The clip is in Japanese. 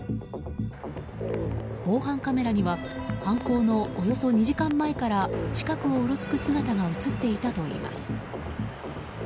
防犯カメラには犯行のおよそ２時間前から近くをうろつく姿が映っていたといいます。